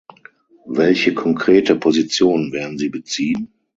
Welche konkrete Position werden Sie beziehen?